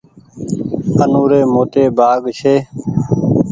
آ نوري موٽي ڀآگ ڇي۔